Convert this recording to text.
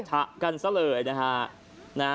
ฉะกันซะเลยนะฮะ